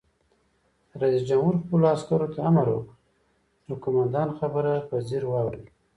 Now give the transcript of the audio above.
رئیس جمهور خپلو عسکرو ته امر وکړ؛ د قومندان خبره په ځیر واورئ!